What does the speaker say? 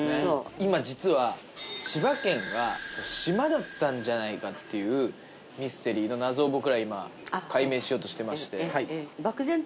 今実は千葉県は島だったんじゃないかっていうミステリーの謎を僕ら今解明しようとしてまして。